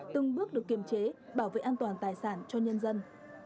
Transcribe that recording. từng bước được kiềm chế bảo vệ an toàn tài sản cho nhân dân